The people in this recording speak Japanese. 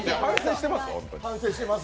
反省してます？